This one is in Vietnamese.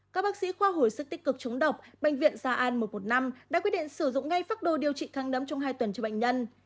các bác sĩ khoa hồi sức tích cực chống độc bệnh viện gia an một trăm một mươi năm đã quyết định sử dụng ngay phác đồ điều trị thăng nấm trong hai tuần cho bệnh nhân